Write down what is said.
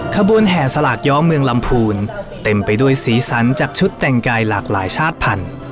ขบวนแห่สลากย้อมเมืองลำพูนเต็มไปด้วยสีสันจากชุดแต่งกายหลากหลายชาติพันธุ